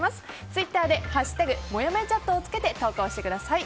ツイッターで「＃もやもやチャット」をつけて投稿してください。